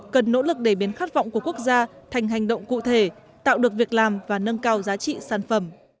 cần nỗ lực để biến khát vọng của quốc gia thành hành động cụ thể tạo được việc làm và nâng cao giá trị sản phẩm